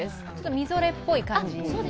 みぞれっぽい感じ。